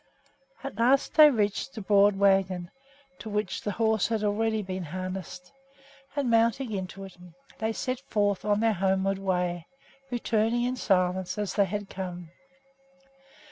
At last they reached the broad wagon, to which the horse had already been harnessed, and, mounting into it, they set forth on their homeward way, returning in silence, as they had come.